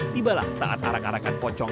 tibalah saat arak arakan pocong